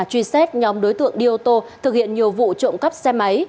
truy xét nhóm đối tượng đi ô tô thực hiện nhiều vụ trộm cắp xe máy